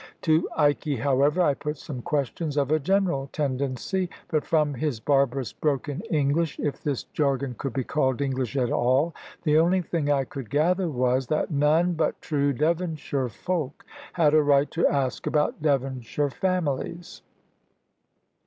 To Ikey, however, I put some questions of a general tendency; but from his barbarous broken English if this jargon could be called English at all the only thing I could gather was, that none but true Devonshire folk had a right to ask about Devonshire families.